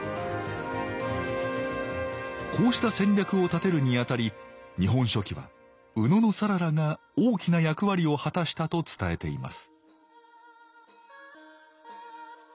こうした戦略を立てるにあたり「日本書紀」は野讃良が大きな役割を果たしたと伝えています